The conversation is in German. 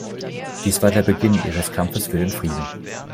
Dies war der Beginn ihres Kampfes für den Frieden.